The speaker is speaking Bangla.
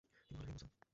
তিনি বললেনঃ হে মূসা!